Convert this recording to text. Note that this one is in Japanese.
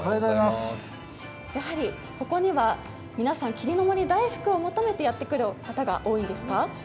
やはりここには皆さん、霧の森大福を求めてやってくる人が多いんですか？